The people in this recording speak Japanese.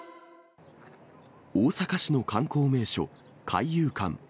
大阪市の観光名所、海遊館。